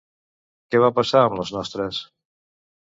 Què va passar amb les nostres?